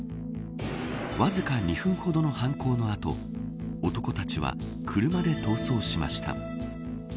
わずか２分ほどの犯行の後男たちは車で逃走しました。